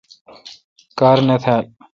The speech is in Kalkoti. کار نہ تھال۔